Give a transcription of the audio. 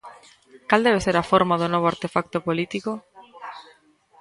Cal debe ser a forma do novo artefacto político?